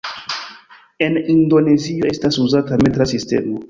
En Indonezio estas uzata metra sistemo.